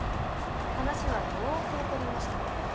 話はよーく分かりました。